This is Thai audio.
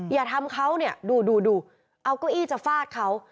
อย่าทำเขาเนี่ยดูเอาเก้าอี้จะฟาดเขา